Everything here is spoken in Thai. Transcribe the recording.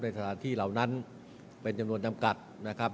สถานที่เหล่านั้นเป็นจำนวนจำกัดนะครับ